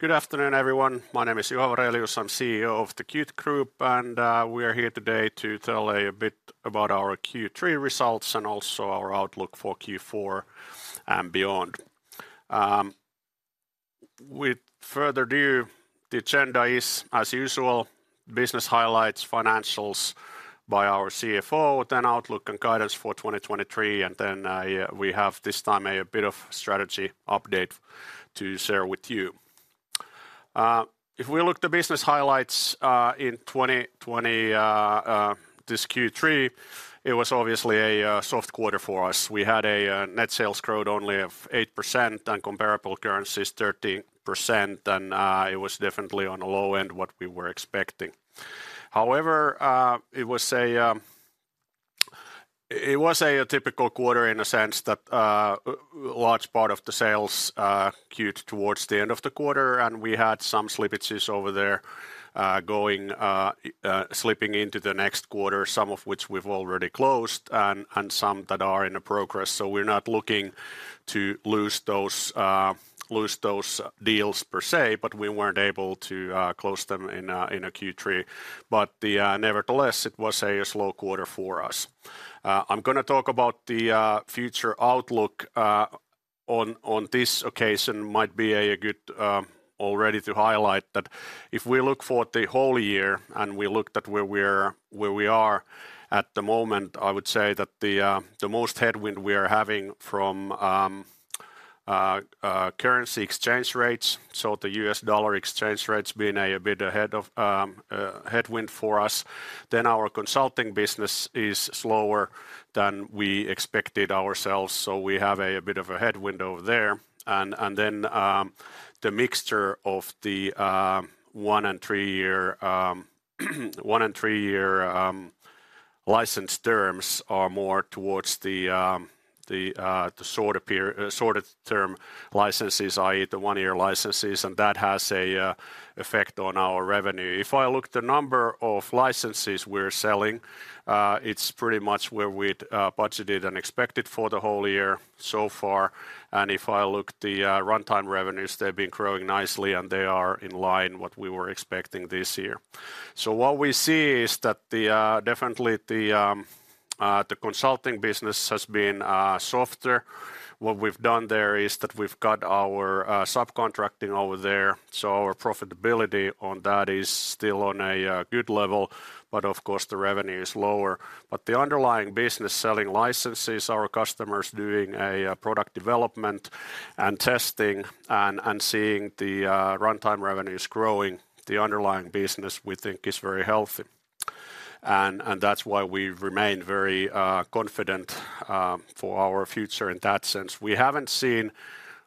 Good afternoon, everyone. My name is Juha Varelius. I'm CEO of the Qt Group, and we are here today to tell a bit about our Q3 results and also our outlook for Q4 and beyond. With further ado, the agenda is, as usual, business highlights, financials by our CFO, then outlook and guidance for 2023, and then, yeah, we have this time a bit of strategy update to share with you. If we look at the business highlights, this Q3, it was obviously a soft quarter for us. We had a net sales growth only of 8% on comparable currencies, 13%, and it was definitely on the low end what we were expecting. However, it was a typical quarter in a sense that large part of the sales skewed towards the end of the quarter, and we had some slippages over there, slipping into the next quarter, some of which we've already closed and some that are in progress. So we're not looking to lose those deals per se, but we weren't able to close them in a Q3. But nevertheless, it was a slow quarter for us. I'm gonna talk about the future outlook on this occasion. Might be a good already to highlight that if we look for the whole year, and we look at where we are at the moment, I would say that the most headwind we are having from currency exchange rates, so the U.S. dollar exchange rates being a bit ahead of headwind for us, then our consulting business is slower than we expected ourselves, so we have a bit of a headwind over there. And then the mixture of the one- and three-year license terms are more towards the the shorter-term licenses, i.e., the one-year licenses, and that has a effect on our revenue. If I look at the number of licenses we're selling, it's pretty much where we'd budgeted and expected for the whole year so far. And if I look at the runtime revenues, they've been growing nicely, and they are in line what we were expecting this year. So what we see is that definitely the consulting business has been softer. What we've done there is that we've got our subcontracting over there, so our profitability on that is still on a good level, but of course, the revenue is lower. But the underlying business, selling licenses, our customers doing a product development and testing and seeing the runtime revenues growing, the underlying business, we think, is very healthy. And that's why we remain very confident for our future in that sense. We haven't seen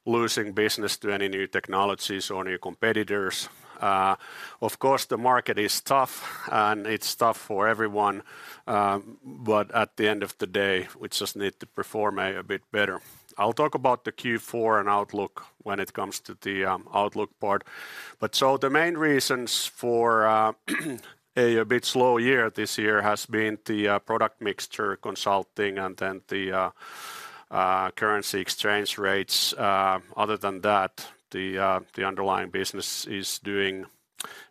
losing business to any new technologies or new competitors. Of course, the market is tough, and it's tough for everyone, but at the end of the day, we just need to perform a bit better. I'll talk about the Q4 and outlook when it comes to the outlook part. The main reasons for a bit slow year this year has been the product mixture consulting and then the currency exchange rates. Other than that, the underlying business is doing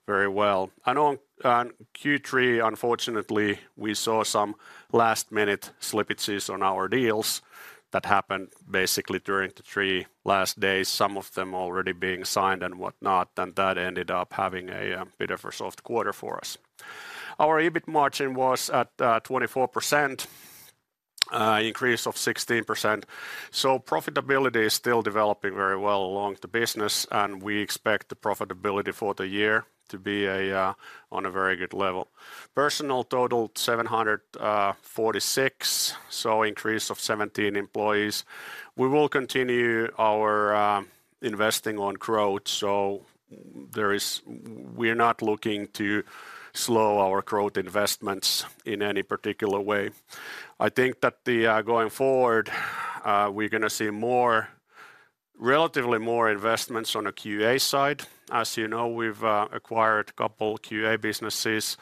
very well. I know on Q3, unfortunately, we saw some last-minute slippages on our deals that happened basically during the three last days, some of them already being signed and whatnot, and that ended up having a bit of a soft quarter for us. Our EBIT margin was at 24%, increase of 16%. So profitability is still developing very well along the business, and we expect the profitability for the year to be a on a very good level. Personnel total, 746, so increase of 17 employees. We will continue our investing on growth, so there is... We're not looking to slow our growth investments in any particular way. I think that the going forward, we're gonna see more, relatively more investments on the QA side. As you know, we've acquired a couple QA businesses a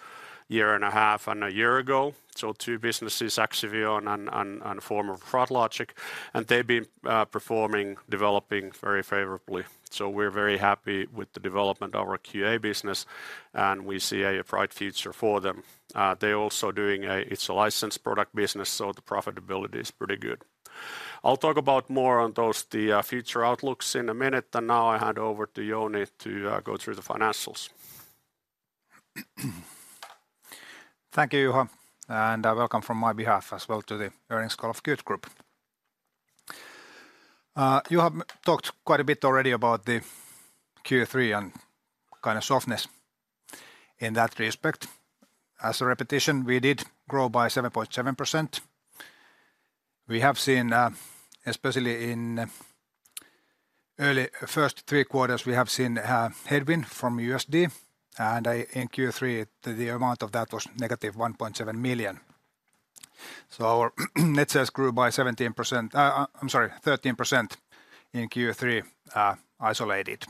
year and a half and a year ago, so two businesses, Axivion and former Froglogic, and they've been performing, developing very favorably. So we're very happy with the development of our QA business, and we see a bright future for them. They're also doing a... It's a licensed product business, so the profitability is pretty good. I'll talk about more on those, the, future outlooks in a minute, and now I hand over to Jouni to go through the financials. Thank you, Juha, and welcome from my behalf as well to the earnings call of Qt Group. You have talked quite a bit already about the Q3 and kind of softness in that respect. As a repetition, we did grow by 7.7%. We have seen, especially in early first three quarters, we have seen headwind from USD, and in Q3, the amount of that was -$1.7 million. So our net sales grew by 13% in Q3, isolated.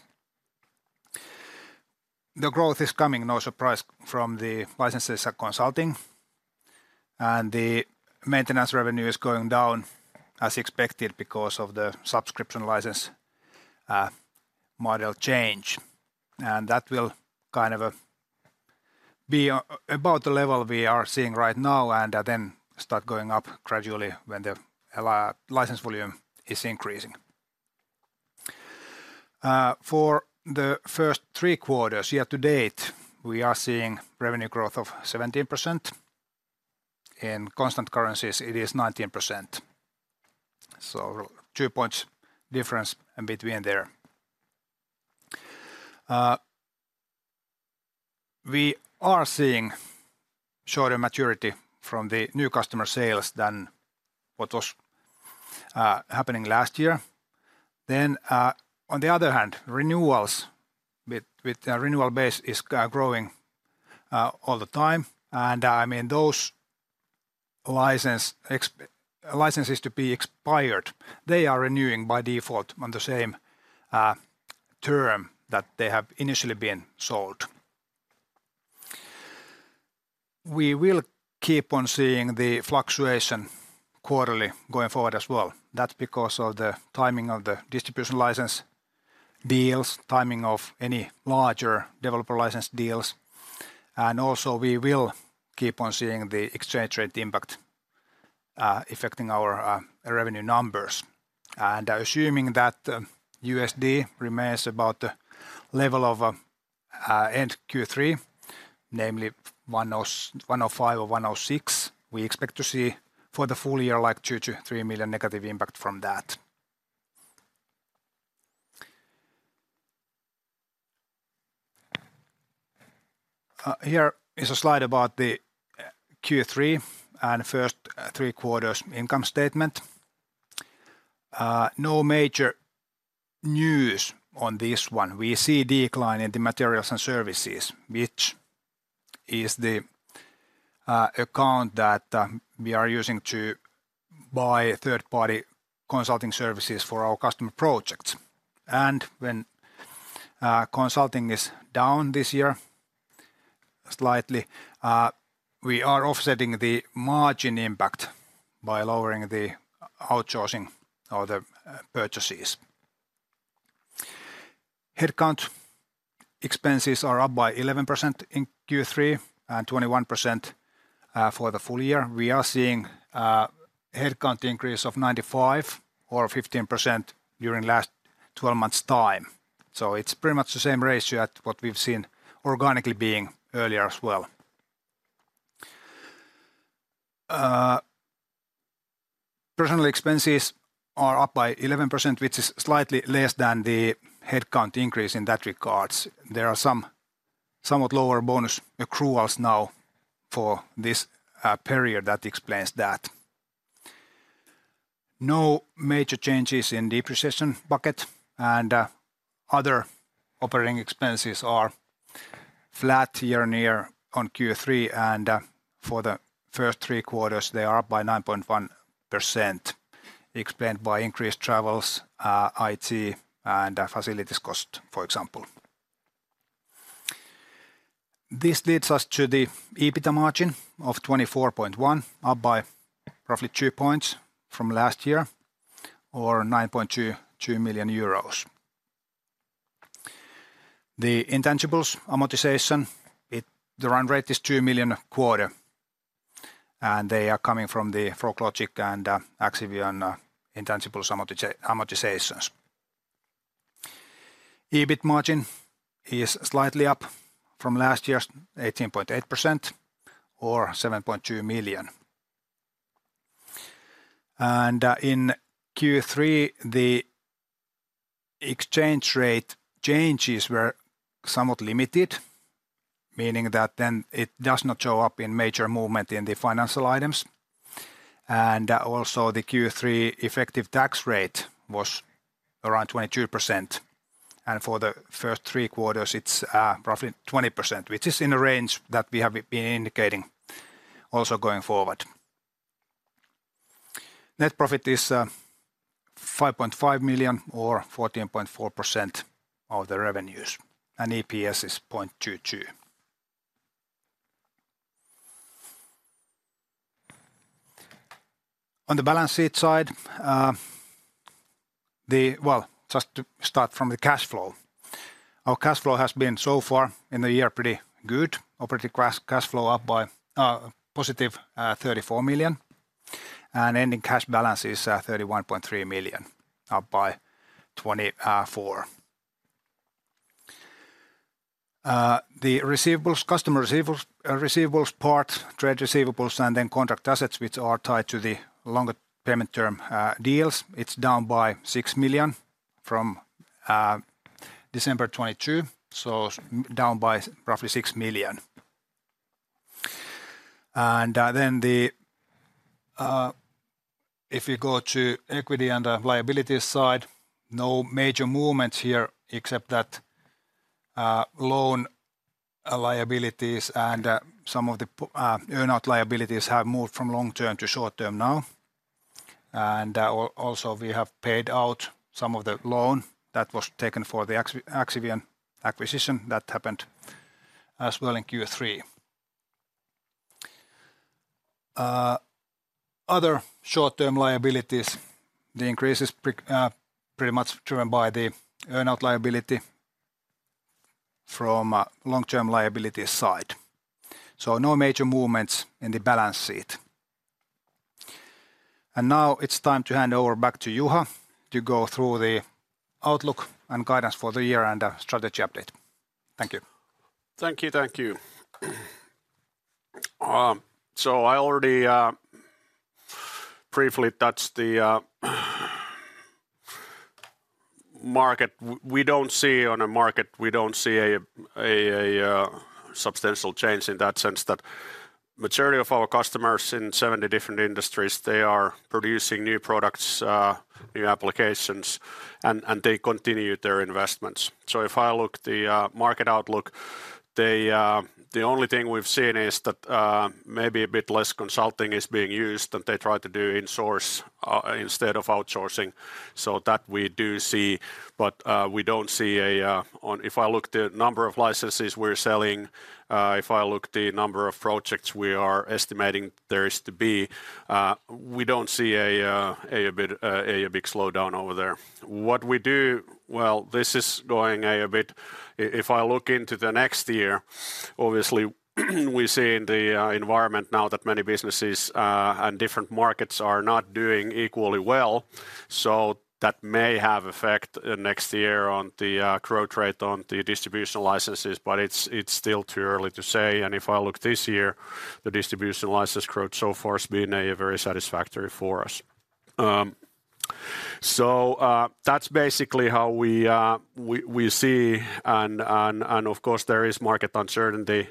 The growth is coming, no surprise, from the licenses and consulting, and the maintenance revenue is going down as expected because of the subscription license model change. And that will kind of be about the level we are seeing right now, and then start going up gradually when the license volume is increasing. For the first three quarters, year to date, we are seeing revenue growth of 17%. In constant currencies, it is 19%, so two points difference in between there. We are seeing shorter maturity from the new customer sales than what was happening last year. Then, on the other hand, renewals with the renewal base is growing all the time. And, I mean, those licenses to be expired, they are renewing by default on the same term that they have initially been sold. We will keep on seeing the fluctuation quarterly going forward as well. That's because of the timing of the distribution license deals, timing of any larger developer license deals, and also we will keep on seeing the exchange rate impact, affecting our revenue numbers. And assuming that USD remains about the level of end Q3, namely 1.05 or 1.06, we expect to see for the full year, like, 2-3 million negative impact from that. Here is a slide about the Q3 and first three quarters income statement. No major news on this one. We see decline in the materials and services, which is the account that we are using to buy third-party consulting services for our customer projects. And when consulting is down this year, slightly, we are offsetting the margin impact by lowering the outsourcing or the purchases. Headcount expenses are up by 11% in Q3 and 21% for the full year. We are seeing headcount increase of 95 or 15% during last twelve months' time. So it's pretty much the same ratio at what we've seen organically being earlier as well. Personal expenses are up by 11%, which is slightly less than the headcount increase in that regards. There are some somewhat lower bonus accruals now for this period. That explains that. No major changes in depreciation bucket, and other operating expenses are flat year on year on Q3, and for the first three quarters, they are up by 9.1%, explained by increased travels, IT, and facilities cost, for example. This leads us to the EBITDA margin of 24.1, up by roughly two points from last year or 9.22 million euros. The intangibles amortization. The run rate is 2 million a quarter, and they are coming from the froglogic and Axivion intangibles amortizations. EBIT margin is slightly up from last year's 18.8% or 7.2 million. And in Q3, the exchange rate changes were somewhat limited, meaning that then it does not show up in major movement in the financial items. And also the Q3 effective tax rate was around 22%, and for the first three quarters it's roughly 20%, which is in a range that we have been indicating also going forward. Net profit is 5.5 million or 14.4% of the revenues, and EPS is 0.22. On the balance sheet side. Well, just to start from the cash flow. Our cash flow has been, so far in the year, pretty good. Operating cash flow up by positive 34 million, and ending cash balance is 31.3 million, up by 24 million. The receivables, customer receivables, receivables part, trade receivables, and then contract assets, which are tied to the longer payment term deals, it's down by 6 million from December 2022, so down by roughly 6 million. And then the... If you go to equity and liability side, no major movements here except that loan liabilities and some of the earn out liabilities have moved from long-term to short-term now. Also we have paid out some of the loan that was taken for the Axivion acquisition that happened as well in Q3. Other short-term liabilities, the increase is pretty much driven by the earn-out liability from long-term liabilities side. So no major movements in the balance sheet. Now it's time to hand over back to Juha to go through the outlook and guidance for the year and strategy update. Thank you. Thank you, thank you. So I already briefly touched the market. We don't see... On the market, we don't see a substantial change in that sense that majority of our customers in 70 different industries, they are producing new products, new applications, and they continue their investments. So if I look the market outlook, the only thing we've seen is that maybe a bit less consulting is being used, and they try to do insource instead of outsourcing. So that we do see, but we don't see. If I look the number of licenses we're selling, if I look the number of projects we are estimating there is to be, we don't see a big slowdown over there. What we do—well, this is going a bit. If I look into the next year, obviously, we see in the environment now that many businesses and different markets are not doing equally well, so that may have effect next year on the growth rate on the distribution licenses, but it's still too early to say. If I look this year, the distribution license growth so far has been very satisfactory for us. So that's basically how we see and, of course, there is market uncertainty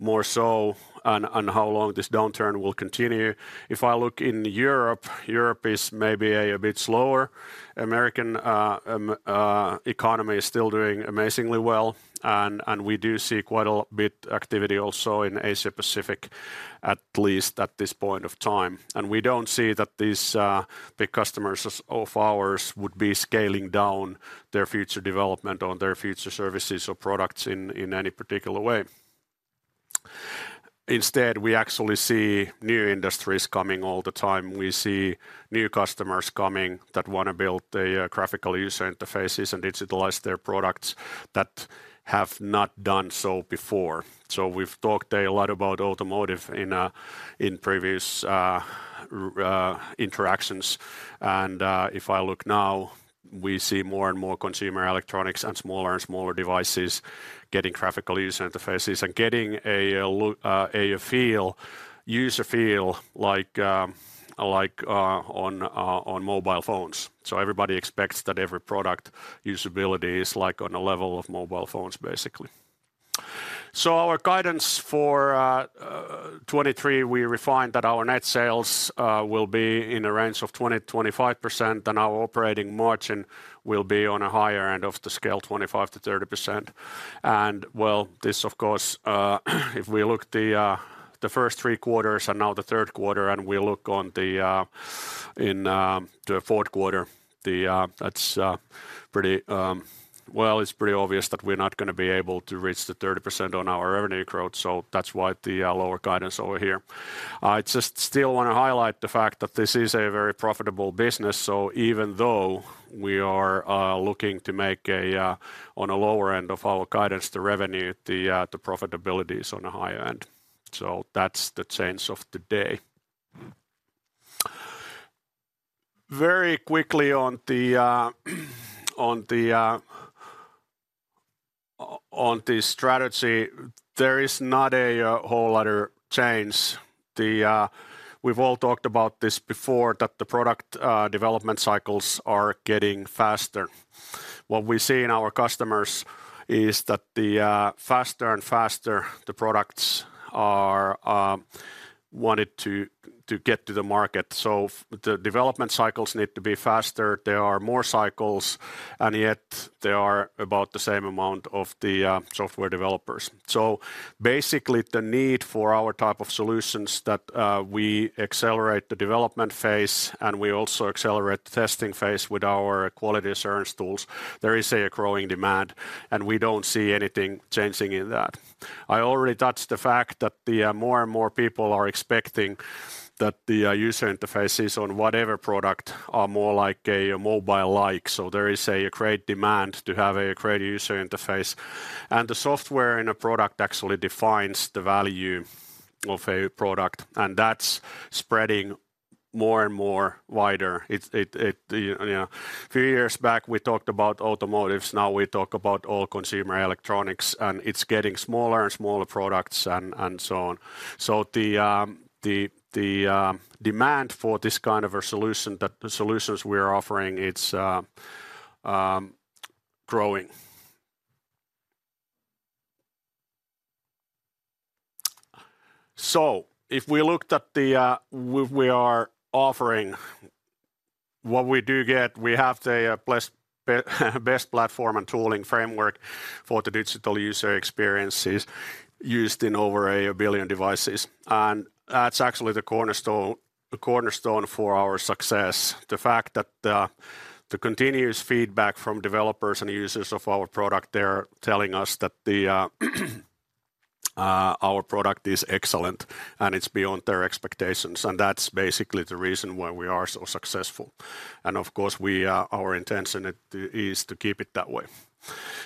more so on how long this downturn will continue. If I look in Europe, Europe is maybe a bit slower. The American economy is still doing amazingly well, and we do see quite a lot of activity also in Asia Pacific, at least at this point of time. We don't see that these big customers of ours would be scaling down their future development or their future services or products in any particular way. Instead, we actually see new industries coming all the time. We see new customers coming that wanna build the graphical user interfaces and digitalize their products that have not done so before. So we've talked a lot about automotive in previous interactions, and if I look now, we see more and more consumer electronics and smaller and smaller devices getting graphical user interfaces and getting a user feel like on mobile phones. So everybody expects that every product usability is like on a level of mobile phones, basically. So our guidance for 2023, we refined that our net sales will be in a range of 20%-25%, and our operating margin will be on a higher end of the scale, 25%-30%. And, well, this, of course, if we look the first three quarters and now the third quarter, and we look on the in the fourth quarter, the. That's pretty well, it's pretty obvious that we're not gonna be able to reach the 30% on our revenue growth, so that's why the lower guidance over here. I just still wanna highlight the fact that this is a very profitable business, so even though we are looking to make a on a lower end of our guidance, the revenue, the profitability is on a higher end. So that's the change of today. Very quickly on the strategy, there is not a whole other change. We've all talked about this before, that the product development cycles are getting faster. What we see in our customers is that the faster and faster the products are wanted to, to get to the market, so the development cycles need to be faster, there are more cycles, and yet there are about the same amount of the software developers. So basically, the need for our type of solutions that we accelerate the development phase, and we also accelerate the testing phase with our quality assurance tools, there is a growing demand, and we don't see anything changing in that. I already touched the fact that the more and more people are expecting that the user interfaces on whatever product are more like a mobile-like. So there is a great demand to have a great user interface, and the software in a product actually defines the value of a product, and that's spreading more and more wider. It you know... A few years back, we talked about automotive, now we talk about all consumer electronics, and it's getting smaller and smaller products and so on. So the demand for this kind of a solution, that the solutions we're offering, it's growing. So if we looked at the, we are offering—what we do get, we have the best platform and tooling framework for the digital user experiences used in over 1 billion devices, and that's actually the cornerstone for our success. The fact that the continuous feedback from developers and users of our product, they're telling us that our product is excellent, and it's beyond their expectations, and that's basically the reason why we are so successful. And of course, our intention is to keep it that way.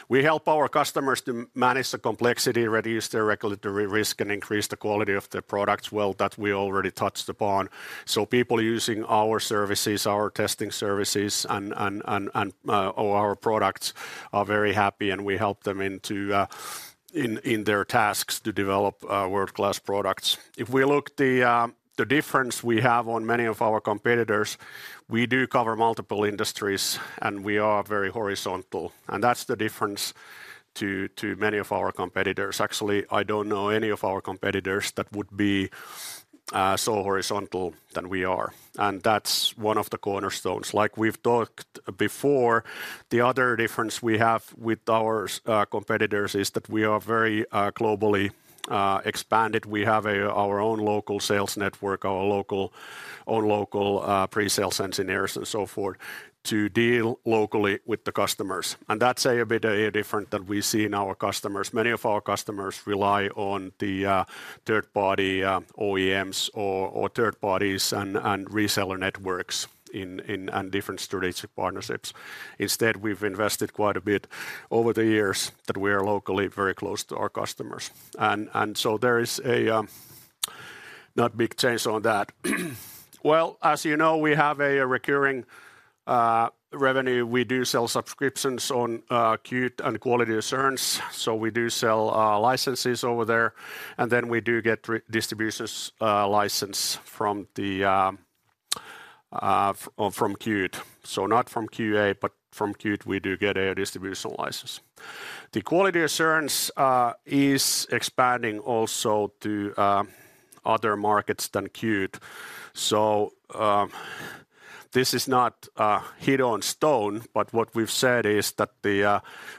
We help our customers to manage the complexity, reduce their regulatory risk, and increase the quality of their products. Well, that we already touched upon. So people using our services, our testing services or our products are very happy, and we help them in their tasks to develop world-class products. If we look at the difference we have on many of our competitors, we do cover multiple industries, and we are very horizontal, and that's the difference to many of our competitors. Actually, I don't know any of our competitors that would be so horizontal than we are, and that's one of the cornerstones. Like we've talked before, the other difference we have with our competitors is that we are very globally expanded. We have our own local sales network, our own local pre-sales engineers and so forth, to deal locally with the customers, and that's a bit different that we see in our customers. Many of our customers rely on the third party OEMs or third parties and reseller networks in different strategic partnerships. Instead, we've invested quite a bit over the years that we are locally very close to our customers and so there is not a big change on that. Well, as you know, we have a recurring revenue. We do sell subscriptions on Qt and quality assurance, so we do sell licenses over there, and then we do get redistribution license from Qt. So not from QA, but from Qt, we do get a distribution license. The quality assurance is expanding also to other markets than Qt. So, this is not set in stone, but what we've said is that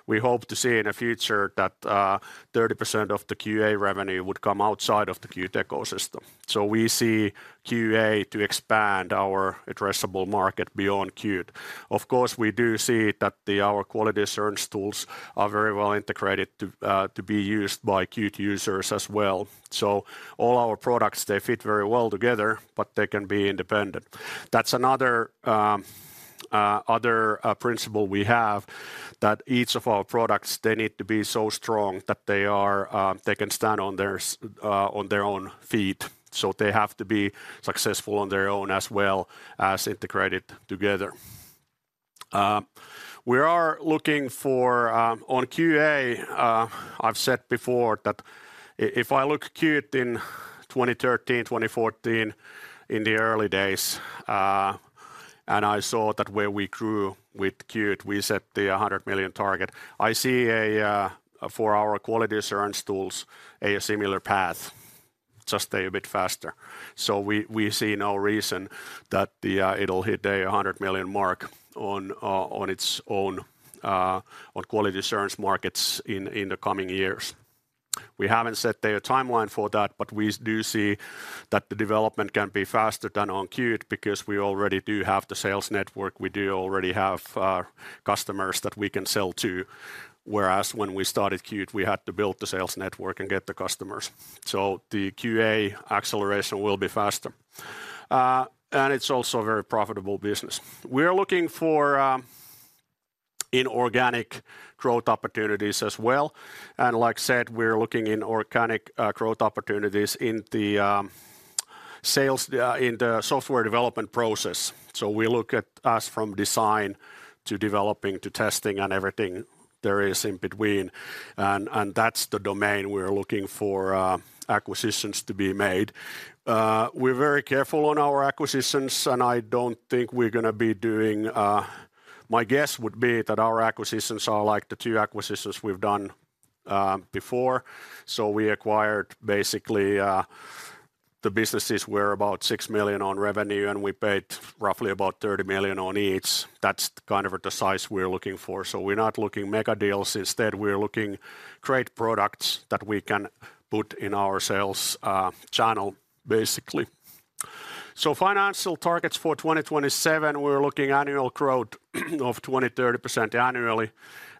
we hope to see in the future that 30% of the QA revenue would come outside of the Qt ecosystem. So we see QA to expand our addressable market beyond Qt. Of course, we do see that our quality assurance tools are very well integrated to be used by Qt users as well. So all our products, they fit very well together, but they can be independent. That's another principle we have, that each of our products, they need to be so strong that they are, they can stand on their own feet, so they have to be successful on their own, as well as integrated together. We are looking for on QA. I've said before that if I look Qt in 2013, 2014, in the early days, and I saw that where we grew with Qt, we set a 100 million target. I see a for our quality assurance tools, a similar path, just a bit faster. So we, we see no reason that it'll hit a 100 million mark on its own on quality assurance markets in the coming years. We haven't set a timeline for that, but we do see that the development can be faster than on Qt because we already do have the sales network. We do already have customers that we can sell to, whereas when we started Qt, we had to build the sales network and get the customers. So the QA acceleration will be faster. It's also a very profitable business. We are looking for inorganic growth opportunities as well, and like I said, we're looking in organic growth opportunities in the sales, in the software development process. So we look at us from design to developing to testing and everything there is in between, and that's the domain we're looking for acquisitions to be made. We're very careful on our acquisitions, and I don't think we're gonna be doing... My guess would be that our acquisitions are like the two acquisitions we've done before. So we acquired basically the businesses were about 6 million on revenue, and we paid roughly about 30 million on each. That's kind of the size we're looking for. So we're not looking mega deals. Instead, we're looking great products that we can put in our sales channel, basically. So financial targets for 2027, we're looking annual growth of 20%-30% annually,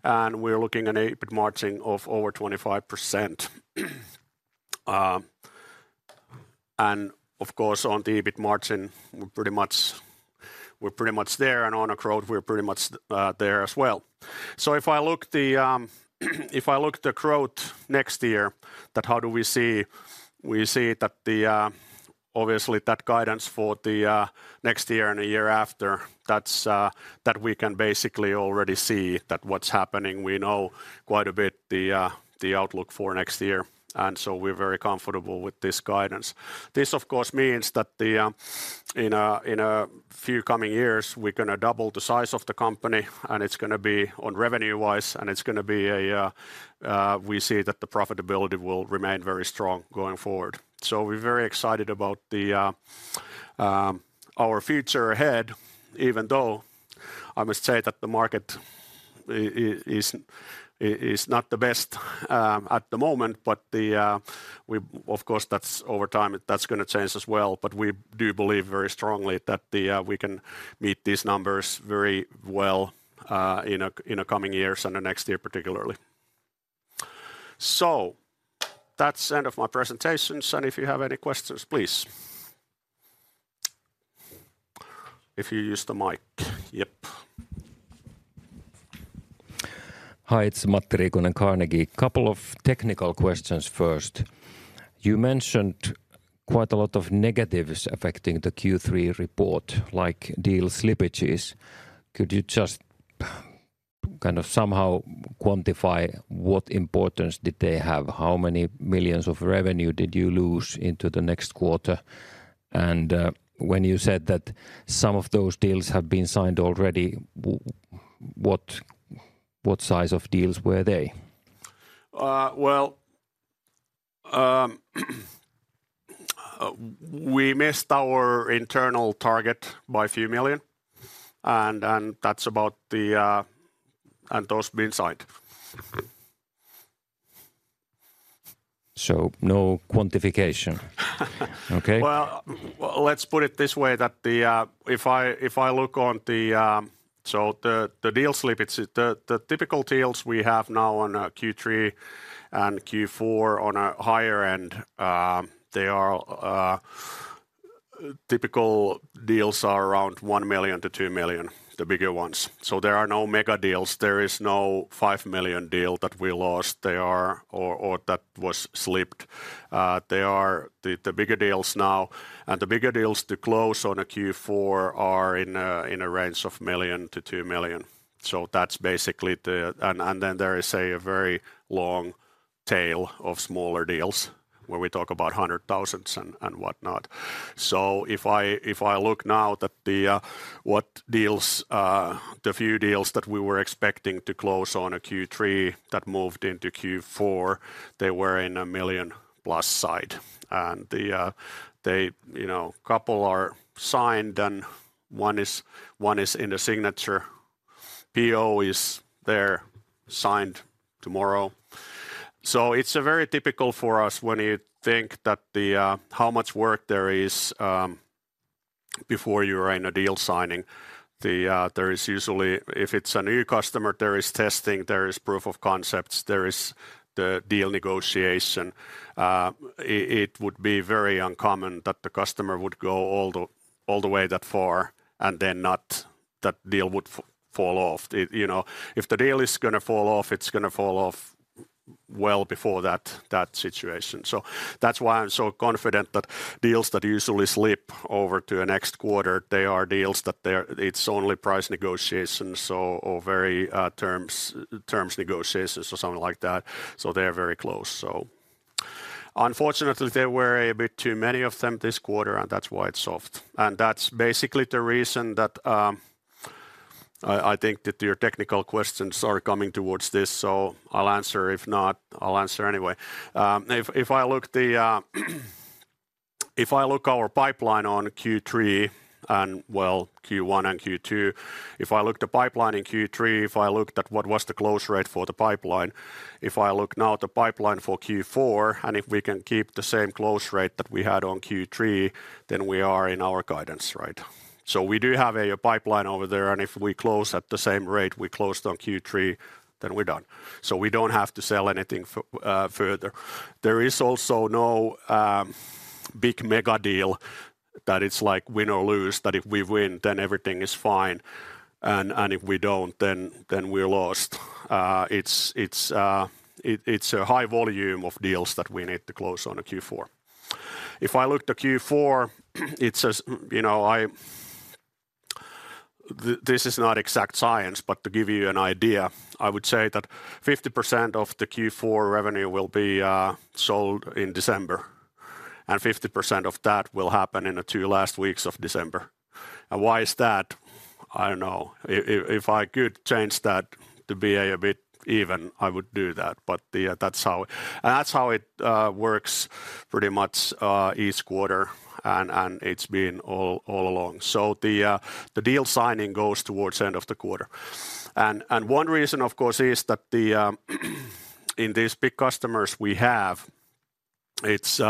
and we're looking at EBIT margin of over 25%. And of course, on the EBIT margin, we're pretty much, we're pretty much there, and on our growth, we're pretty much there as well. So if I look the, if I look the growth next year, that how do we see? We see that the, obviously, that guidance for the next year and the year after, that's that we can basically already see that what's happening. We know quite a bit the, the outlook for next year, and so we're very comfortable with this guidance. This, of course, means that in a few coming years, we're gonna double the size of the company, and it's gonna be on revenue-wise, and it's gonna be a... We see that the profitability will remain very strong going forward. So we're very excited about our future ahead, even though... I must say that the market is not the best at the moment, but of course, that's over time that's gonna change as well. But we do believe very strongly that we can meet these numbers very well in the coming years and the next year particularly. So that's the end of my presentations, and if you have any questions, please. If you use the mic. Yep. Hi, it's Matti Riikonen, Carnegie. Couple of technical questions first. You mentioned quite a lot of negatives affecting the Q3 report, like deal slippages. Could you just kind of somehow quantify what importance did they have? How many millions of revenue did you lose into the next quarter? And when you said that some of those deals have been signed already, what size of deals were they? Well, we missed our internal target by a few million EUR, and that's about the... And those have been signed. No quantification? Okay. Well, let's put it this way. If I look on the deal slippage, the typical deals we have now on Q3 and Q4 on a higher end, they are typical deals around 1 million-2 million, the bigger ones. So there are no mega deals. There is no 5 million deal that we lost. Or that was slipped. They are the bigger deals now, and the bigger deals to close on the Q4 are in a range of 1 million-2 million. So that's basically the. And then there is a very long tail of smaller deals, where we talk about EUR 100,000s and whatnot. So if I look now at the few deals that we were expecting to close in Q3 that moved into Q4, they were in the 1 million-plus side. And they, you know, couple are signed, and one is in the signature. PO is there, signed tomorrow. So it's very typical for us when you think that the... How much work there is before you are in a deal signing. There is usually, if it's a new customer, there is testing, there is proof of concepts, there is the deal negotiation. It would be very uncommon that the customer would go all the way that far and then not, that deal would fall off. You know, if the deal is gonna fall off, it's gonna fall off well before that situation. So that's why I'm so confident that deals that usually slip over to a next quarter, they are deals that it's only price negotiations or very terms negotiations or something like that, so they're very close. So unfortunately, there were a bit too many of them this quarter, and that's why it's soft. And that's basically the reason that I think that your technical questions are coming towards this, so I'll answer. If not, I'll answer anyway. If I look our pipeline on Q3 and Q1 and Q2, if I look the pipeline in Q3, if I looked at what was the close rate for the pipeline, if I look now at the pipeline for Q4, and if we can keep the same close rate that we had on Q3, then we are in our guidance, right? So we do have a pipeline over there, and if we close at the same rate we closed on Q3, then we're done. So we don't have to sell anything further. There is also no big mega deal that it's like win or lose, that if we win, then everything is fine, and if we don't, then we're lost. It's a high volume of deals that we need to close on the Q4. If I look to Q4, it says, you know, this is not exact science, but to give you an idea, I would say that 50% of the Q4 revenue will be sold in December, and 50% of that will happen in the two last weeks of December. And why is that? I don't know. If I could change that to be a bit even, I would do that, but the... That's how it works pretty much each quarter, and it's been all along. So the deal signing goes towards end of the quarter. One reason, of course, is that in these big customers we have, it's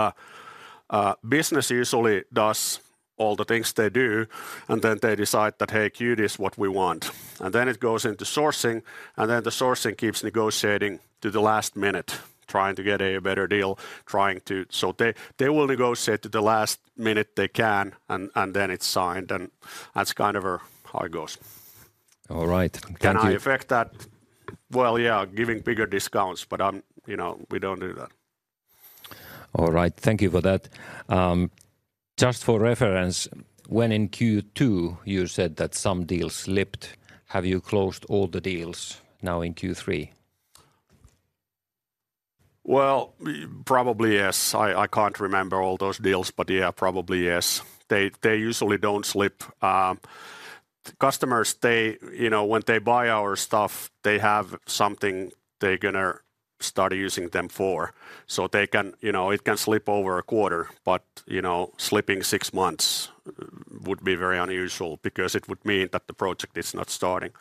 business usually does all the things they do, and then they decide that, "Hey, Qt is what we want." And then it goes into sourcing, and then the sourcing keeps negotiating to the last minute, trying to get a better deal, trying to... So they will negotiate to the last minute they can, and then it's signed, and that's kind of how it goes. All right. Thank you- Can I affect that? Well, yeah, giving bigger discounts, but I'm... You know, we don't do that. All right. Thank you for that. Just for reference, when in Q2, you said that some deals slipped, have you closed all the deals now in Q3? Well, probably, yes. I can't remember all those deals, but yeah, probably, yes. They usually don't slip. Customers, they, you know, when they buy our stuff, they have something they're gonna start using them for. So they can, you know, it can slip over a quarter but, you know, slipping six months would be very unusual because it would mean that the project is not starting.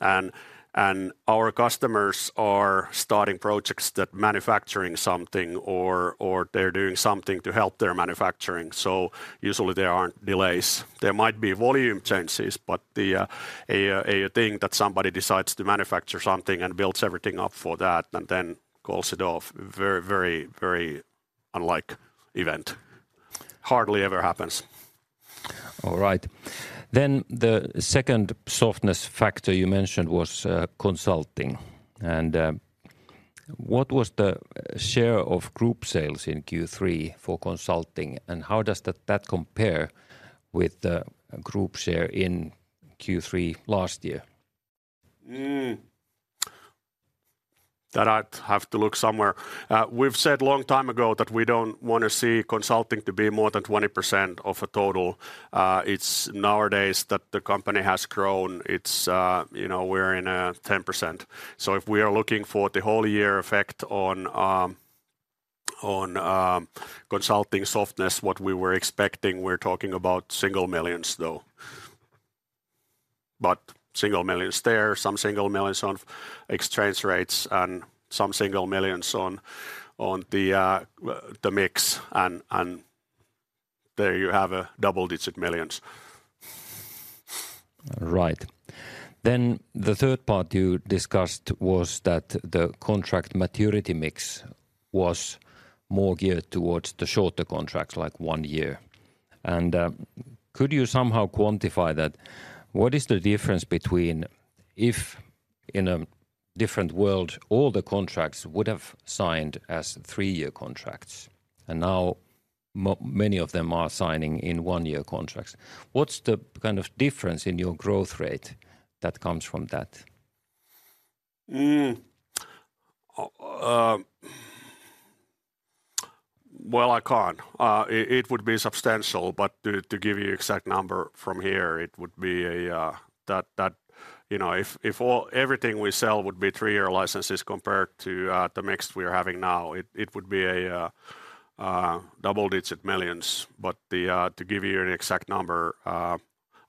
And our customers are starting projects that manufacturing something or they're doing something to help their manufacturing, so usually there aren't delays. There might be volume changes, but a thing that somebody decides to manufacture something and builds everything up for that and then calls it off, very, very, very unlikely event. Hardly ever happens. All right. Then the second softness factor you mentioned was consulting. And what was the share of group sales in Q3 for consulting, and how does that compare with the group share in Q3 last year? That I'd have to look somewhere. We've said long time ago that we don't want to see consulting to be more than 20% of a total. It's nowadays that the company has grown. It's, you know, we're in 10%. So if we are looking for the whole year effect on consulting softness, what we were expecting, we're talking about EUR single millions though. But EUR single millions there, some EUR single millions on exchange rates and some EUR single millions on the mix and there you have EUR double-digit millions. Right. Then the third part you discussed was that the contract maturity mix was more geared towards the shorter contracts, like one year. And, could you somehow quantify that? What is the difference between if in a different world, all the contracts would have signed as three-year contracts, and now many of them are signing in one-year contracts? What's the kind of difference in your growth rate that comes from that? Well, I can't. It would be substantial, but to give you an exact number from here, it would be a that. You know, if everything we sell would be three-year licenses compared to the mix we're having now, it would be a double-digit millions. But to give you an exact number,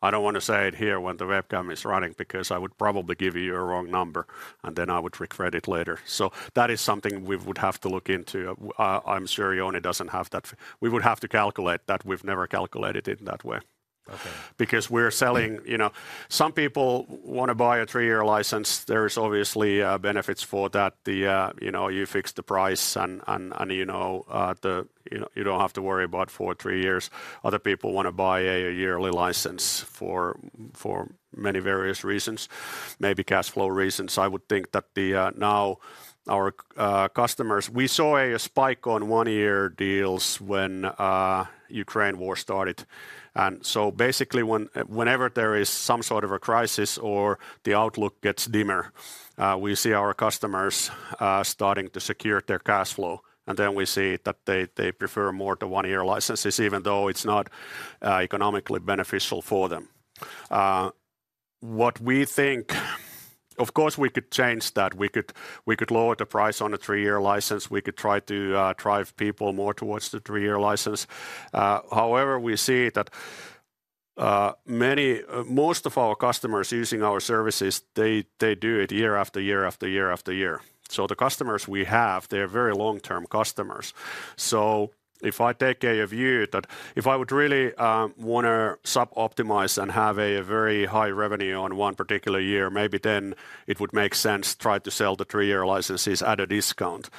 I don't want to say it here when the webcam is running, because I would probably give you a wrong number, and then I would regret it later. So that is something we would have to look into. I'm sure Jouni doesn't have that. We would have to calculate that. We've never calculated it that way. Okay. Because we're selling... You know, some people want to buy a three-year license. There's obviously benefits for that. You know, you fix the price, and you know, you don't have to worry about for three years. Other people want to buy a yearly license for many various reasons, maybe cash flow reasons. I would think that now our customers... We saw a spike on one-year deals when Ukraine war started. And so basically, whenever there is some sort of a crisis or the outlook gets dimmer, we see our customers starting to secure their cash flow, and then we see that they prefer more the one-year licenses, even though it's not economically beneficial for them. What we think, of course, we could change that. We could, we could lower the price on a three-year license. We could try to drive people more towards the three-year license. However, we see that many, most of our customers using our services, they, they do it year after year after year after year. So the customers we have, they're yery long-term customers. So if I take a view that if I would really want to sub-optimize and have a very high revenue on one particular year, maybe then it would make sense try to sell the three-year licenses at a discount.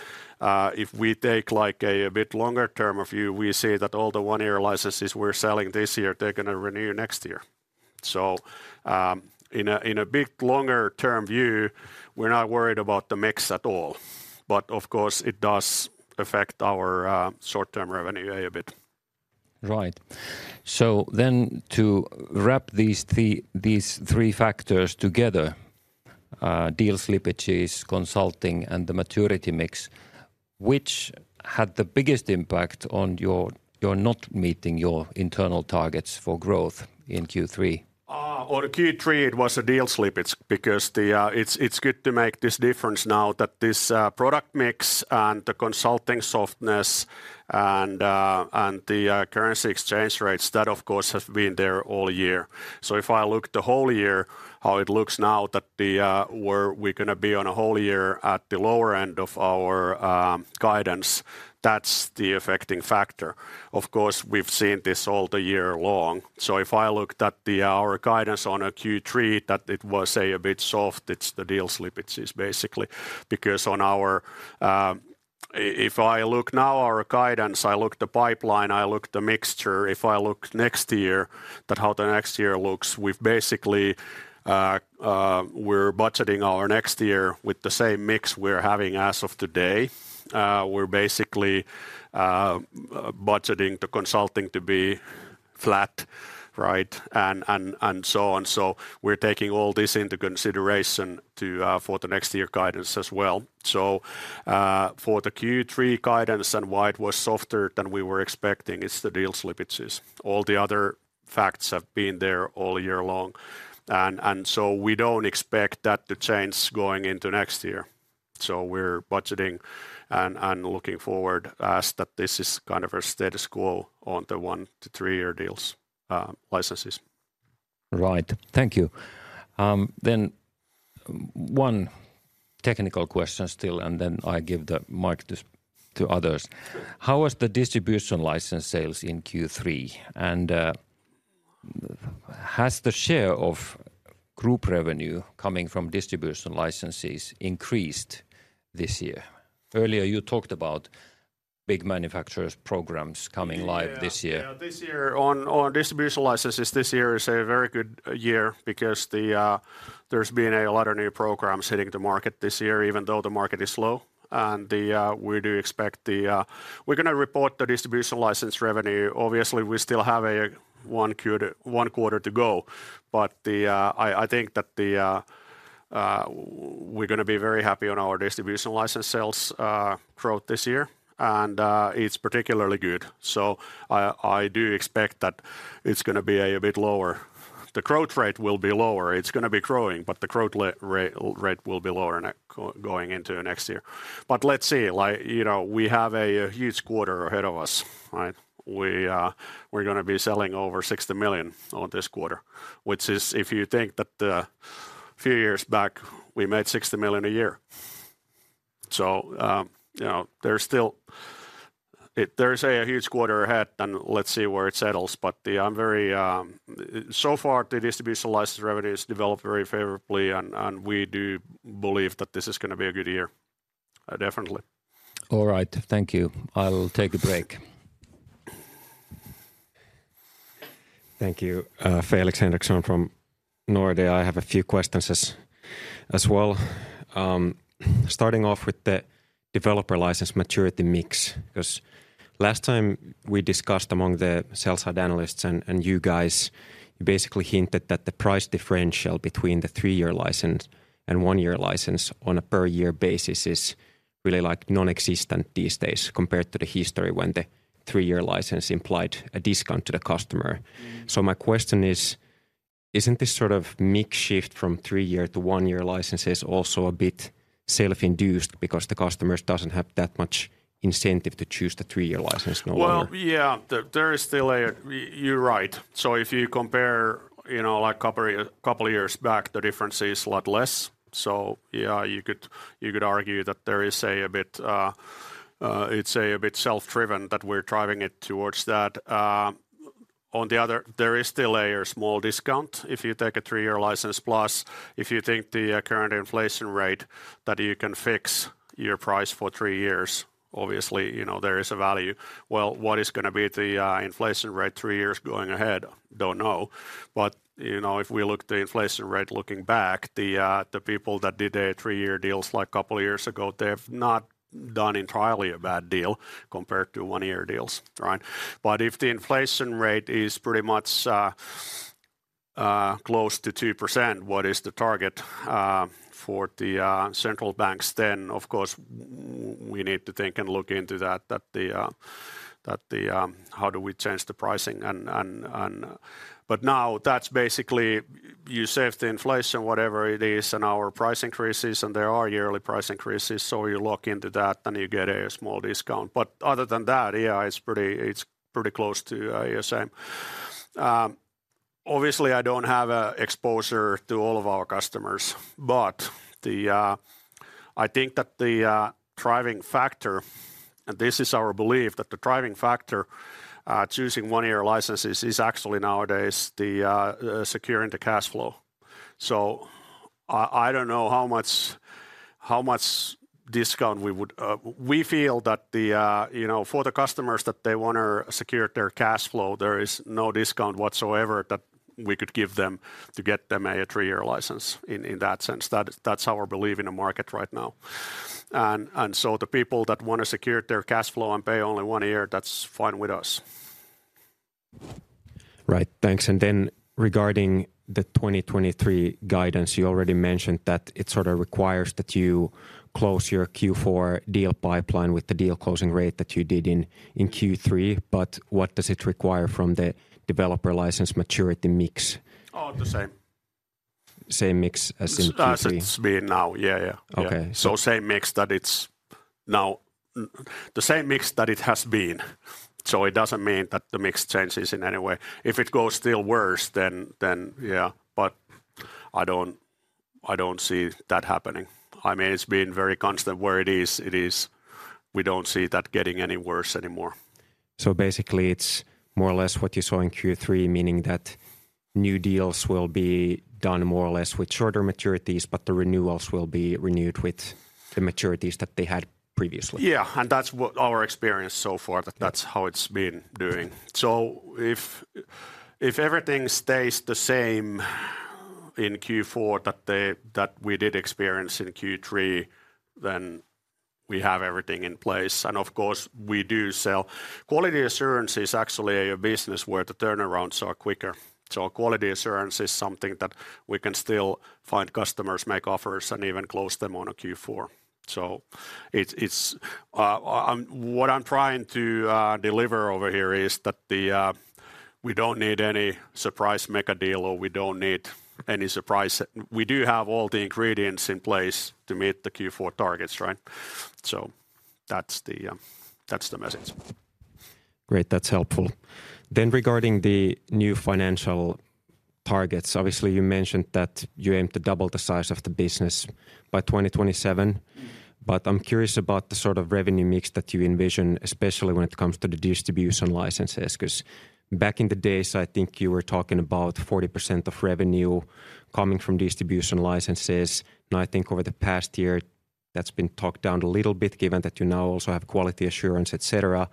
If we take, like, a bit longer-term view, we see that all the one-year licenses we're selling this year, they're going to renew next year. So, in a big, longer-term view, we're not worried about the mix at all. But of course, it does affect our short-term revenue a bit. Right. So then to wrap these three, these three factors together, deal slippages, consulting, and the maturity mix, which had the biggest impact on your, your not meeting your internal targets for growth in Q3? On Q3, it was the deal slippage because the... It's good to make this difference now that this product mix and the consulting softness and the currency exchange rates, that, of course, has been there all year. So if I look the whole year, how it looks now that we're gonna be on a whole year at the lower end of our guidance, that's the affecting factor. Of course, we've seen this all the year long. So if I looked at our guidance on a Q3, that it was, say, a bit soft, it's the deal slippages, basically. Because on our... If I look now at our guidance, I look at the pipeline, I look at the mix, if I look at next year, at how the next year looks, we've basically, we're budgeting our next year with the same mix we're having as of today. We're basically, budgeting the consulting to be flat, right, and so on. So we're taking all this into consideration to, for the next year guidance as well. So, for the Q3 guidance and why it was softer than we were expecting, it's the deal slippages. All the other facts have been there all year long, and so we don't expect that to change going into next year. So we're budgeting and looking forward as that this is kind of a status quo on the one-to-three year deals, licenses. Right. Thank you. Then one technical question still, and then I give the mic to, to others. How was the distribution license sales in Q3? And, has the share of group revenue coming from distribution licenses increased this year? Earlier, you talked about big manufacturers' programs coming live this year. Yeah, this year, on distribution licenses, this year is a very good year because there's been a lot of new programs hitting the market this year, even though the market is slow. We do expect we're gonna report the distribution license revenue. Obviously, we still have one quarter to go, but I think that we're gonna be very happy on our distribution license sales growth this year, and it's particularly good. So I do expect that it's gonna be a bit lower. The growth rate will be lower. It's gonna be growing, but the growth rate will be lower going into next year. But let's see, like, you know, we have a huge quarter ahead of us, right? We're gonna be selling over 60 million on this quarter, which is, if you think that, few years back, we made 60 million a year. So, you know, there's still a huge quarter ahead, and let's see where it settles. But the, I'm very... So far, the distribution license revenue has developed very favorably, and we do believe that this is gonna be a good year, definitely. All right, thank you. I'll take a break. Thank you. Felix Henriksson from Nordea. I have a few questions as well. Starting off with the developer license maturity mix, 'cause last time we discussed among the sell-side analysts and you guys basically hinted that the price differential between the three-year license and one-year license on a per year basis is really, like, nonexistent these days compared to the history when the three-year license implied a discount to the customer. Mm. So my question is: Isn't this sort of mix shift from three-year to one-year licenses also a bit self-induced because the customers doesn't have that much incentive to choose the three-year license no more? Well, yeah, there is still a... You're right. So if you compare, you know, like, couple year, couple years back, the difference is a lot less. So yeah, you could, you could argue that there is a, a bit, it's a bit self-driven, that we're driving it towards that. On the other, there is still a small discount if you take a three-year license, plus if you think the current inflation rate, that you can fix your price for three years, obviously, you know, there is a value. Well, what is gonna be the inflation rate three years going ahead? Don't know. But, you know, if we look at the inflation rate looking back, the people that did a three-year deals like couple years ago, they have not done entirely a bad deal compared to one-year deals, right? But if the inflation rate is pretty much close to 2%, what is the target for the central banks, then, of course, we need to think and look into that... How do we change the pricing and... But now that's basically, you save the inflation, whatever it is, and our price increases, and there are yearly price increases, so you lock into that, and you get a small discount. But other than that, yeah, it's pretty, it's pretty close to the same. Obviously, I don't have a exposure to all of our customers, but I think that the driving factor, and this is our belief, that the driving factor choosing one-year licenses is actually nowadays the securing the cash flow. So I don't know how much discount we would. We feel that, you know, for the customers that they wanna secure their cash flow, there is no discount whatsoever that we could give them to get them a three-year license, in that sense. That's our belief in the market right now. And so the people that want to secure their cash flow and pay only one year, that's fine with us. Right. Thanks. And then regarding the 2023 guidance, you already mentioned that it sort of requires that you close your Q4 deal pipeline with the deal closing rate that you did in Q3, but what does it require from the developer license maturity mix? Oh, the same. Same mix as in Q3? As it's been now. Yeah, yeah. Okay. Yeah. The same mix that it has been, so it doesn't mean that the mix changes in any way. If it goes still worse, then, yeah, but I don't see that happening. I mean, it's been very constant where it is, it is. We don't see that getting any worse anymore. So basically, it's more or less what you saw in Q3, meaning that new deals will be done more or less with shorter maturities, but the renewals will be renewed with the maturities that they had previously? Yeah, and that's what our experience so far, that- Yeah... that's how it's been doing. So if everything stays the same in Q4 that we did experience in Q3, then we have everything in place, and of course, we do sell... Quality assurance is actually a business where the turnarounds are quicker.... So quality assurance is something that we can still find customers, make offers, and even close them on a Q4. So it's what I'm trying to deliver over here is that we don't need any surprise mega deal, or we don't need any surprise. We do have all the ingredients in place to meet the Q4 targets, right? So that's the message. Great, that's helpful. Regarding the new financial targets, obviously, you mentioned that you aim to double the size of the business by 2027. But I'm curious about the sort of revenue mix that you envision, especially when it comes to the distribution licenses. 'Cause back in the days, I think you were talking about 40% of revenue coming from distribution licenses. Now, I think over the past year, that's been talked down a little bit, given that you now also have quality assurance, et cetera.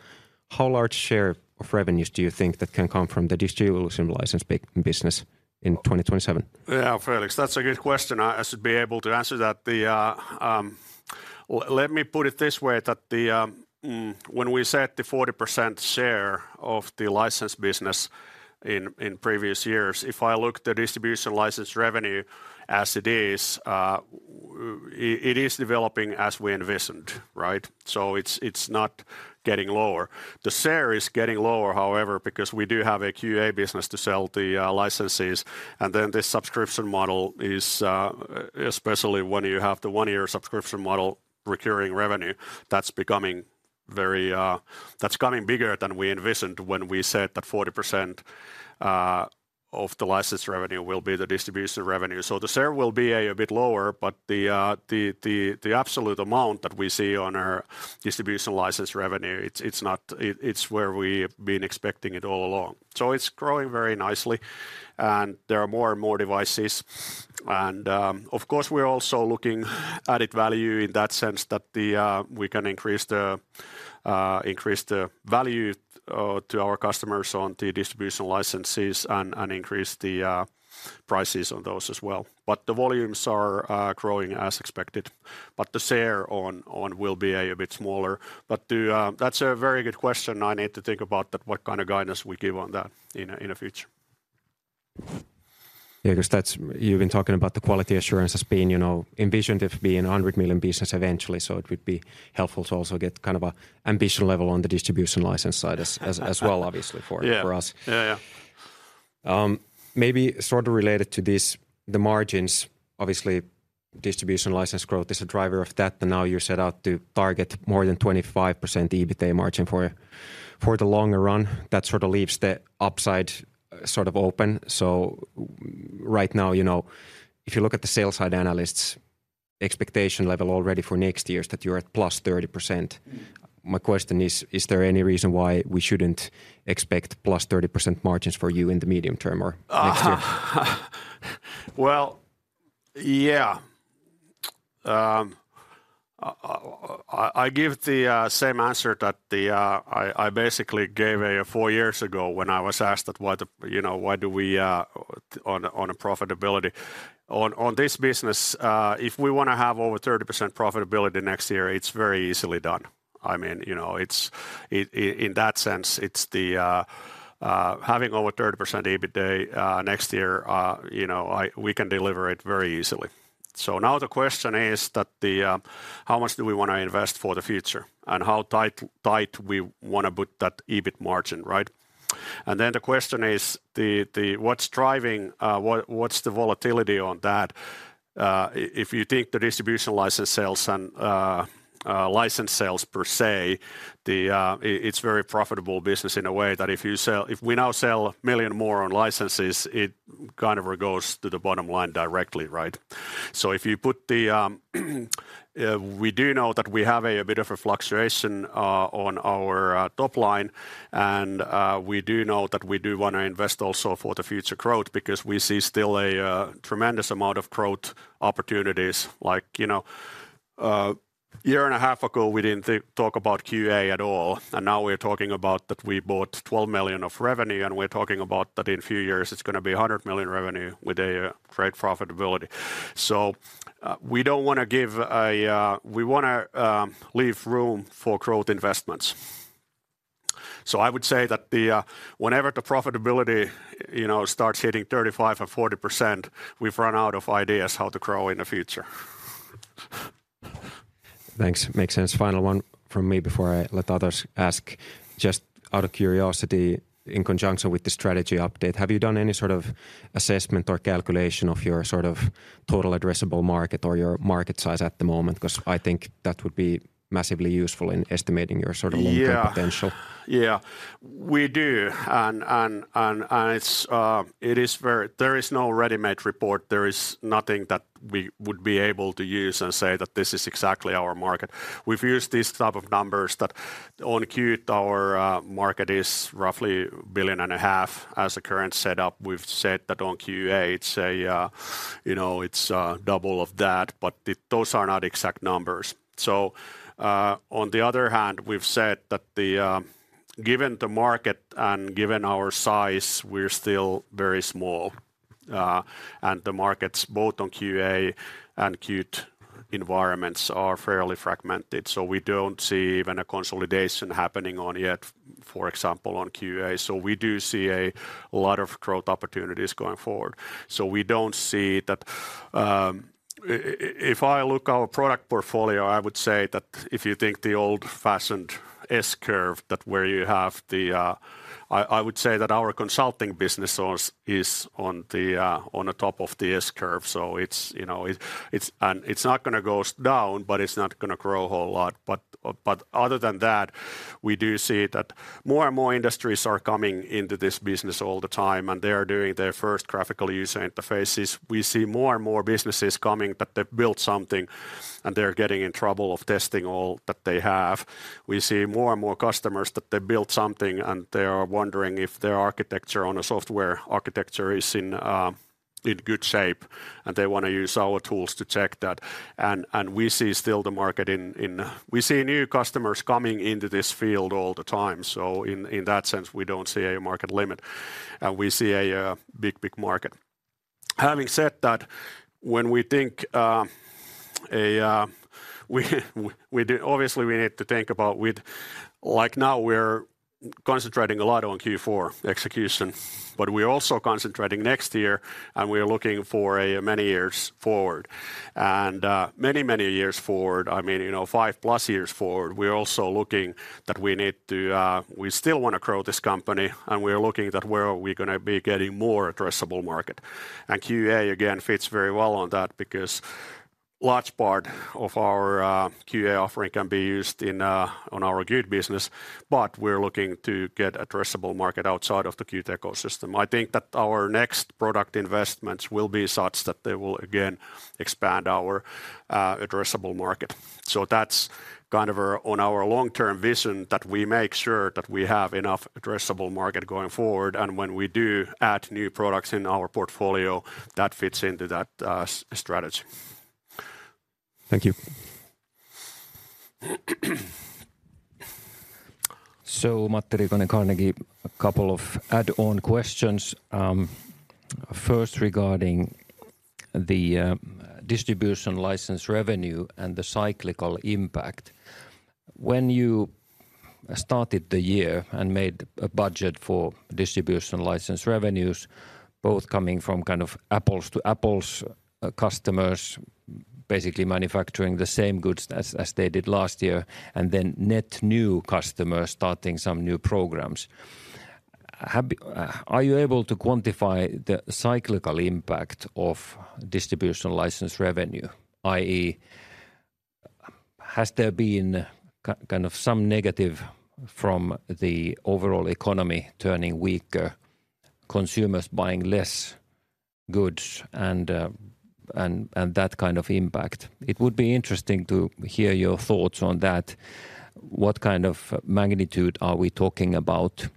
How large share of revenues do you think that can come from the distribution license business in 2027? Yeah, Felix, that's a good question. I, I should be able to answer that. Let me put it this way, when we set the 40% share of the license business in previous years, if I look at the distribution license revenue as it is, it is developing as we envisioned, right? So it's, it's not getting lower. The share is getting lower, however, because we do have a QA business to sell the licenses. And then the subscription model is, especially when you have the one-year subscription model recurring revenue, that's becoming very... That's becoming bigger than we envisioned when we said that 40% of the license revenue will be the distribution revenue. So the share will be a bit lower, but the absolute amount that we see on our distribution license revenue, it's where we've been expecting it all along. So it's growing very nicely, and there are more and more devices. And, of course, we're also looking at it value in that sense that we can increase the value to our customers on the distribution licenses and increase the prices on those as well. But the volumes are growing as expected, but the share will be a bit smaller. But that's a very good question. I need to think about that, what kind of guidance we give on that in the future. Yeah, 'cause you've been talking about the quality assurance as being, you know, envisioned it being a 100 million business eventually, so it would be helpful to also get kind of a ambition level on the distribution license side as... as well, obviously, for- Yeah... for us. Yeah, yeah. Maybe sort of related to this, the margins, obviously, distribution license growth is a driver of that, and now you're set out to target more than 25% EBITDA margin for the longer run. That sort of leaves the upside sort of open. So right now, you know, if you look at the sales side analysts' expectation level already for next year is that you're at +30%. My question is, is there any reason why we shouldn't expect +30% margins for you in the medium term or next year? Well, yeah. I give the same answer that I basically gave four years ago when I was asked that what, you know, why do we on profitability. On this business, if we wanna have over 30% profitability next year, it's very easily done. I mean, you know, it's in that sense, it's the having over 30% EBITDA next year, you know, we can deliver it very easily. So now the question is that the how much do we wanna invest for the future? And how tight we wanna put that EBIT margin, right? And then the question is the what's driving what what's the volatility on that? If you take the distribution license sales and license sales per se, it's very profitable business in a way that if we now sell 1 million more on licenses, it kind of goes to the bottom line directly, right? So if you put the, we do know that we have a bit of a fluctuation on our top line, and we do know that we do wanna invest also for the future growth because we see still a tremendous amount of growth opportunities. Like, you know, a year and a half ago, we didn't talk about QA at all, and now we're talking about that we bought 12 million of revenue, and we're talking about that in a few years it's gonna be 100 million revenue with a great profitability. We wanna leave room for growth investments. So, I would say that whenever the profitability, you know, starts hitting 35%-40%, we've run out of ideas how to grow in the future. Thanks. Makes sense. Final one from me before I let others ask: Just out of curiosity, in conjunction with the strategy update, have you done any sort of assessment or calculation of your sort of total addressable market or your market size at the moment? 'Cause I think that would be massively useful in estimating your sort of long-term potential. Yeah. Yeah, we do. There is no ready-made report. There is nothing that we would be able to use and say that this is exactly our market. We've used these type of numbers that on Qt, our market is roughly 1.5 billion as a current setup. We've said that on QA, it's, you know, double of that, but those are not exact numbers. So, on the other hand, we've said that the, given the market and given our size, we're still very small. And the markets both on QA and Qt environments are fairly fragmented, so we don't see even a consolidation happening on yet, for example, on QA. So we do see a lot of growth opportunities going forward. So we don't see that, if I look at our product portfolio, I would say that if you think the old-fashioned S-curve, where you have the... I would say that our consulting business source is on the top of the S-curve, so it's, you know, it's, and it's not gonna go down, but it's not gonna grow a whole lot. But other than that, we do see that more and more industries are coming into this business all the time, and they are doing their first graphical user interfaces. We see more and more businesses coming, but they've built something, and they're getting in trouble of testing all that they have. We see more and more customers that they built something, and they are wondering if their architecture on a software architecture is in good shape, and they wanna use our tools to check that. And we see still the market in... We see new customers coming into this field all the time, so in that sense, we don't see a market limit, and we see a big, big market. Having said that, when we think, we obviously need to think about. Like, now we're concentrating a lot on Q4 execution, but we're also concentrating next year, and we're looking for many years forward. And, many, many years forward, I mean, you know, 5+ years forward, we're also looking that we need to, we still wanna grow this company, and we're looking at where are we gonna be getting more addressable market. And QA, again, fits very well on that because large part of our, QA offering can be used in, on our Qt business, but we're looking to get addressable market outside of the Qt ecosystem. I think that our next product investments will be such that they will again expand our, addressable market. So that's kind of our, on our long-term vision, that we make sure that we have enough addressable market going forward, and when we do add new products in our portfolio, that fits into that, strategy. Thank you. So Matti Riikonen, Carnegie, a couple of add-on questions. First, regarding the distribution license revenue and the cyclical impact. When you started the year and made a budget for distribution license revenues, both coming from kind of apples to apples customers, basically manufacturing the same goods as they did last year, and then net new customers starting some new programs, are you able to quantify the cyclical impact of distribution license revenue, i.e., has there been kind of some negative from the overall economy turning weaker, consumers buying less goods, and that kind of impact? It would be interesting to hear your thoughts on that. What kind of magnitude are we talking about,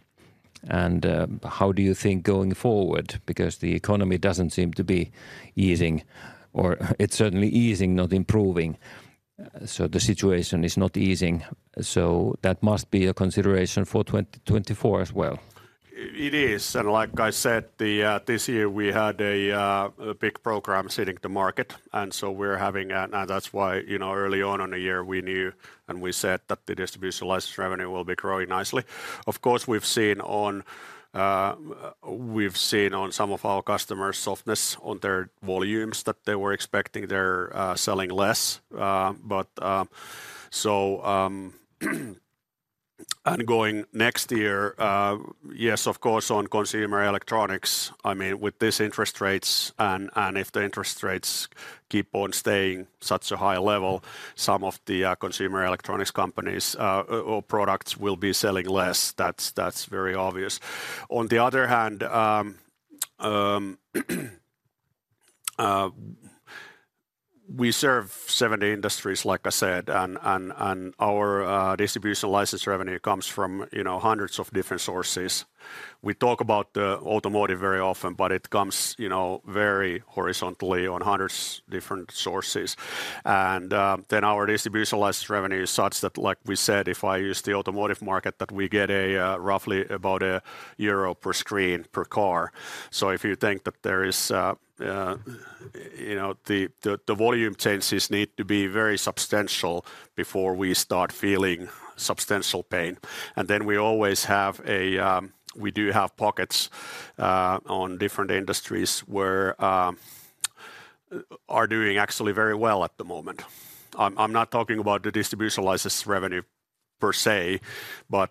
and how do you think going forward? Because the economy doesn't seem to be easing, or it's certainly easing, not improving, so the situation is not easing, so that must be a consideration for 2024 as well. It is, and like I said, the, this year we had a, a big program sitting the market, and so we're having... Now that's why, you know, early on in the year, we knew, and we said that the distribution license revenue will be growing nicely. Of course, we've seen on, we've seen on some of our customers' softness on their volumes that they were expecting they're, selling less, but, so, and going next year, yes, of course, on consumer electronics, I mean, with this interest rates and, and if the interest rates keep on staying such a high level, some of the, consumer electronics companies', or products will be selling less. That's, that's very obvious. On the other hand, we serve 70 industries, like I said, and our distribution license revenue comes from, you know, hundreds of different sources. We talk about automotive very often, but it comes, you know, very horizontally on hundreds different sources. And then our distribution license revenue is such that, like we said, if I use the automotive market, that we get a roughly about EUR 1 per screen, per car. So if you think that there is, you know, the volume changes need to be very substantial before we start feeling substantial pain. And then we always have a we do have pockets on different industries, where are doing actually very well at the moment. I'm not talking about the Distribution license revenue per se, but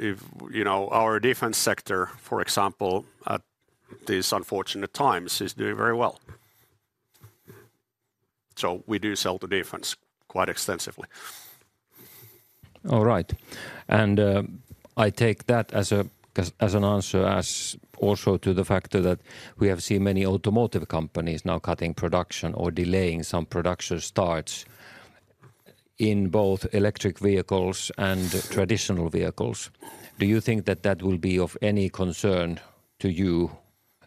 if you know, our defense sector, for example, at these unfortunate times, is doing very well. So we do sell to defense quite extensively. All right. And I take that as an answer as also to the factor that we have seen many automotive companies now cutting production or delaying some production starts in both electric vehicles and traditional vehicles. Do you think that that will be of any concern to you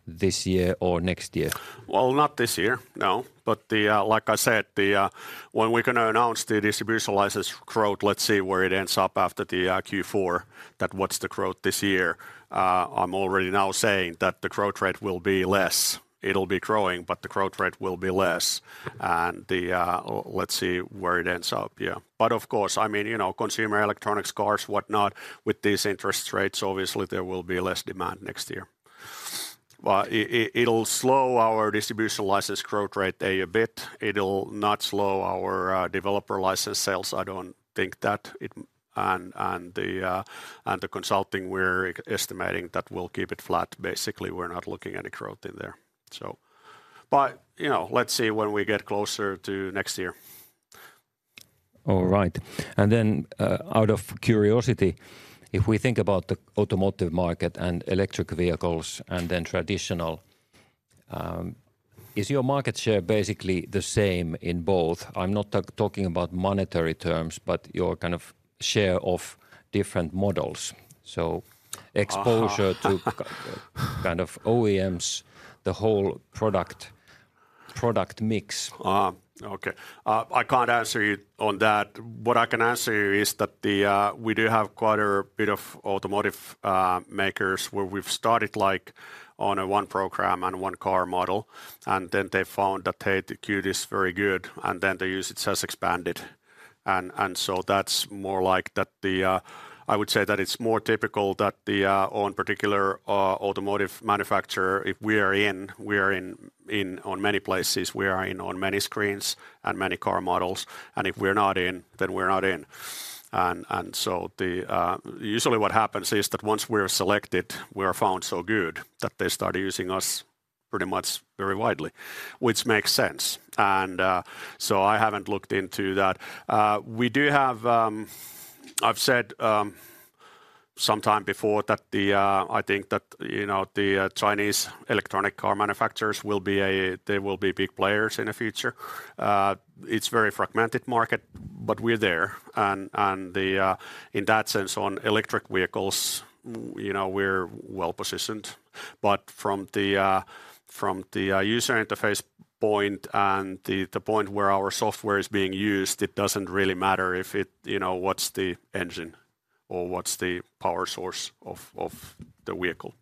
this year or next year? Well, not this year, no. But the, like I said, the, when we're gonna announce the distribution license growth, let's see where it ends up after the, Q4, that, what's the growth this year? I'm already now saying that the growth rate will be less. It'll be growing, but the growth rate will be less, and the, let's see where it ends up, yeah. But of course, I mean, you know, consumer electronics, cars, whatnot, with these interest rates, obviously there will be less demand next year. Well, it, it'll slow our distribution license growth rate a bit. It'll not slow our, developer license sales, I don't think that it... And, the, and the consulting, we're estimating that we'll keep it flat. Basically, we're not looking any growth in there, so... But, you know, let's see when we get closer to next year. All right. And then, out of curiosity, if we think about the automotive market and electric vehicles and then traditional, is your market share basically the same in both? I'm not talking about monetary terms, but your kind of share of different models. So- Ah.... exposure to kind of OEMs, the whole product, product mix. Ah, okay. I can't answer you on that. What I can answer you is that the, we do have quite a bit of automotive makers where we've started, like, on a one program and one car model, and then they found that, "Hey, the Qt is very good," and then the usage has expanded. And, and so that's more like that the... I would say that it's more typical that the, on particular, automotive manufacturer, if we are in, we are in, in on many places, we are in on many screens and many car models, and if we're not in, then we're not in. And, and so the, usually what happens is that once we're selected, we are found so good that they start using us pretty much very widely, which makes sense. And, so I haven't looked into that. We do have. I've said some time before that I think that, you know, the Chinese electric car manufacturers will be big players in the future. It's very fragmented market, but we're there. And in that sense, on electric vehicles, you know, we're well-positioned. But from the user interface point and the point where our software is being used, it doesn't really matter if it, you know, what's the engine or what's the power source of the vehicle.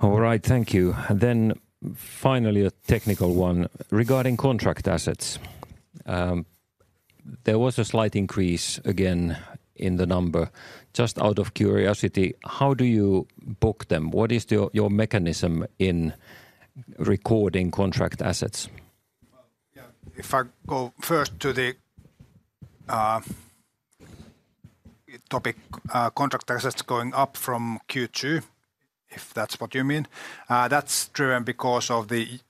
All right, thank you. Then finally, a technical one. Regarding contract assets, there was a slight increase again in the number. Just out of curiosity, how do you book them? What is your, your mechanism in recording contract assets? Well, yeah, if I go first to the topic, contract assets going up from Q2, if that's what you mean, that's driven because of the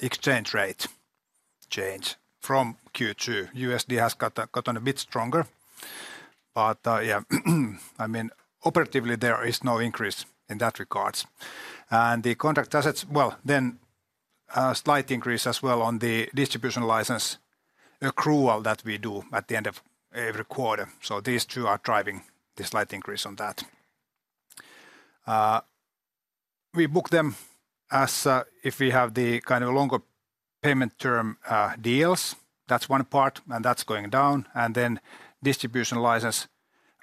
exchange rate change from Q2. USD has gotten a bit stronger, but, yeah. I mean, operatively, there is no increase in that regards. And the contract assets, well, then, a slight increase as well on the distribution license accrual that we do at the end of every quarter, so these two are driving the slight increase on that. We book them as if we have the kind of longer payment term deals, that's one part, and that's going down. And then distribution license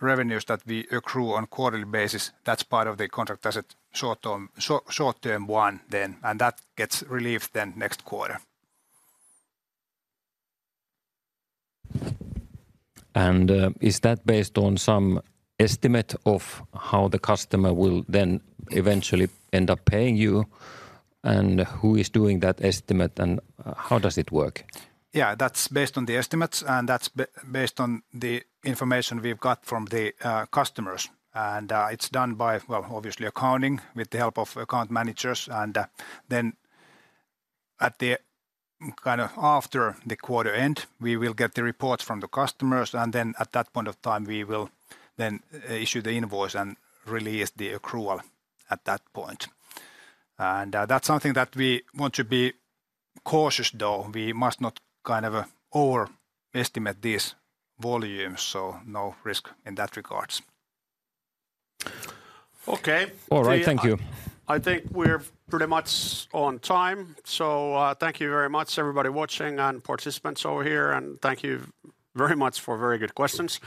revenues that we accrue on quarterly basis, that's part of the contract as a short-term one then, and that gets relieved then next quarter. Is that based on some estimate of how the customer will then eventually end up paying you, and who is doing that estimate, and how does it work? Yeah, that's based on the estimates, and that's based on the information we've got from the customers. And it's done by, well, obviously accounting with the help of account managers, and then at the, kind of after the quarter end, we will get the reports from the customers, and then at that point of time, we will then issue the invoice and release the accrual at that point. And that's something that we want to be cautious, though. We must not kind of overestimate these volumes, so no risk in that regards. Okay. All right, thank you. I think we're pretty much on time, so, thank you very much everybody watching and participants over here, and thank you very much for very good questions.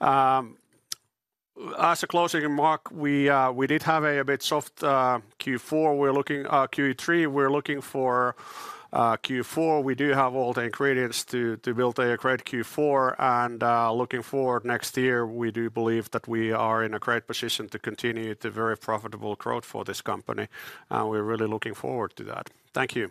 As a closing remark, we did have a bit soft Q4. We're looking Q3. We're looking for Q4. We do have all the ingredients to build a great Q4 and, looking forward next year, we do believe that we are in a great position to continue the very profitable growth for this company, and we're really looking forward to that. Thank you!